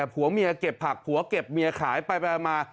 ผัวเมียเก็บผักผัวเก็บเมียขายไปมา